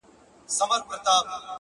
په ساز جوړ وم. له خدايه څخه ليري نه وم.